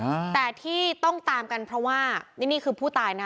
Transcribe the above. อ่าแต่ที่ต้องตามกันเพราะว่านี่นี่คือผู้ตายนะ